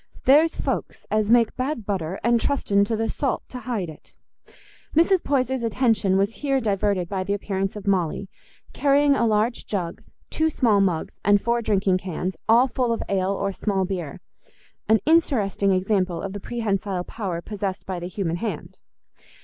There's folks as make bad butter and trusten to the salt t' hide it." Mrs. Poyser's attention was here diverted by the appearance of Molly, carrying a large jug, two small mugs, and four drinking cans, all full of ale or small beer—an interesting example of the prehensile power possessed by the human hand.